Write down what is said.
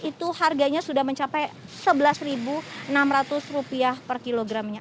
itu harganya sudah mencapai rp sebelas enam ratus per kilogramnya